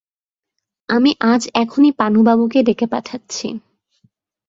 আমি আজ এখনই পানুবাবুকে ডেকে পাঠাচ্ছি।